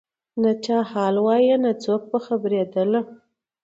نه چا حال وایه نه څوک په خبرېدله